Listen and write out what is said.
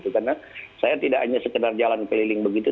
karena saya tidak hanya sekedar jalan peliling begitu